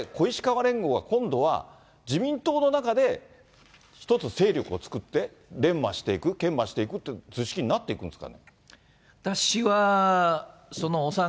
この中で、小石河連合が今度は自民党の中で、１つ勢力を作って、練磨していく、研磨していくっていう図式になっていくんですか。